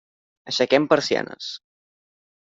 Aixequem persianes.